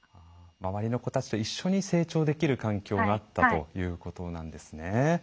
周りの子たちと一緒に成長できる環境があったということなんですね。